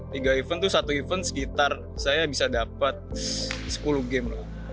tiga event itu satu event sekitar saya bisa dapat sepuluh game